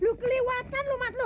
lu kelewatan lu matlo